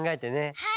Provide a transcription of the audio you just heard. はい。